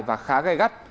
và khá gây gắt